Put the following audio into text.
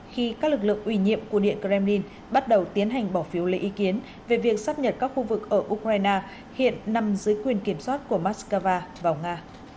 khi các lực lượng ủy nhiệm của điện kremlin bắt đầu tiến hành bỏ phiếu lấy ý kiến về việc sắp nhập các khu vực ở ukraine hiện nằm dưới quyền kiểm soát của moscow vào nga